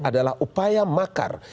adalah upaya makar